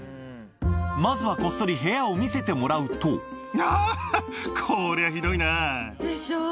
まずはこっそり部屋を見せてもらうとあぁ。でしょ？